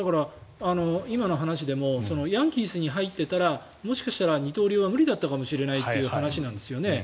今の話でもヤンキースに入っていたらもしかしたら二刀流は無理だったかもしれないという話ですよね。